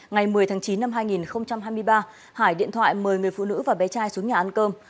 ngày một mươi tháng chín năm hai nghìn hai mươi ba hải điện thoại mời người phụ nữ và bé trai xuống nhà ăn cơm